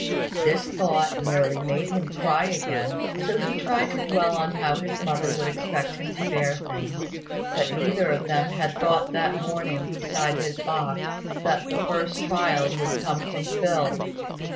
This thought nearly made him cry again; so he tried to dwell on how his mother would expect him to bear things: but neither of them had thought that morning, beside his box, that the first trial would come from Phil.